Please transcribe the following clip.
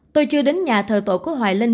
tôi chưa đến nhà thờ tổ của hoài linh